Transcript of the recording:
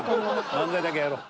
漫才だけやろう。